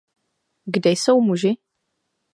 Kde jsou muži?